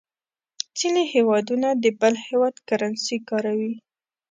ځینې هېوادونه د بل هېواد کرنسي کاروي.